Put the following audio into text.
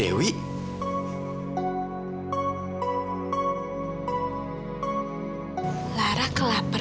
aku mau bicarakan sesuatu apa